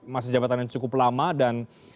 masa jabatan yang cukup lama dan